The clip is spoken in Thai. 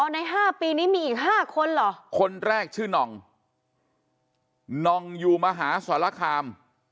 ใน๕ปีนี้มีอีก๕คนเหรอคนแรกชื่อน่องน่องอยู่มหาสรคาม